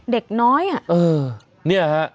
เด็กน้อย